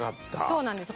そうなんです